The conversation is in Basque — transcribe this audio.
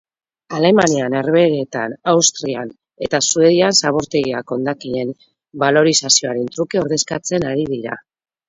Alemanian, Herbeeretan, Austrian eta Suedian zabortegiak hondakinen balorizazioaren truke ordezkatzen ari dira.